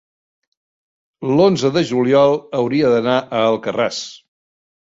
l'onze de juliol hauria d'anar a Alcarràs.